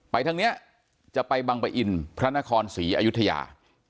ทางนี้จะไปบังปะอินพระนครศรีอยุธยา